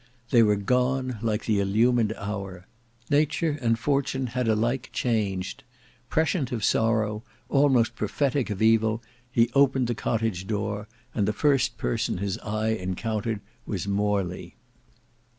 They were gone like the illumined hour. Nature and fortune had alike changed. Prescient of sorrow, almost prophetic of evil, he opened the cottage door, and the first person his eye encountered was Morley.